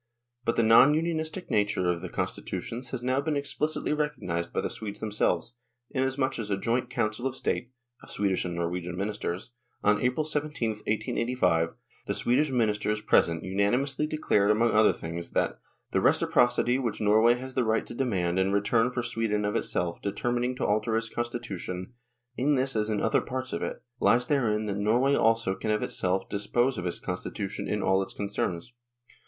But the non unionistic nature of the con stitutions has now been explicitly recognised by the Swedes themselves, inasmuch as at a joint Council of State (of Swedish and Norwegian ministers) on April 17, 1885, the Swedish ministers present unanimously declared among other things that " the reciprocity which Norway has the right to demand in return for Sweden of itself determining to alter its constitution, in this as in other parts of it, lies therein that Norway also can of itself dispose of its constitution in all its concerns."